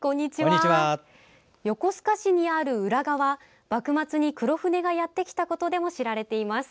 横須賀市にある浦賀は幕末に黒船がやってきたことでも知られています。